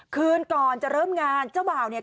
คืนก่อนจะเริ่มงานเจ้าบ่าวเนี่ย